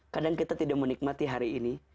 kadang kita tidak menikmati hari ini